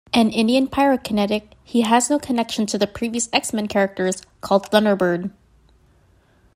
An Indian pyrokinetic, he has no connection to the previous X-Men characters called Thunderbird.